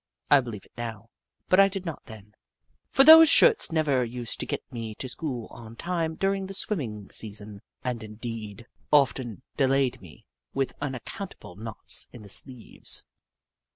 I believe it now, but I did not then, for those shirts never used to get me to school on time during the swimming season, and, indeed, often 1 84 The Book of Clever Beasts delayed me, with unaccountable knots in the sleeves.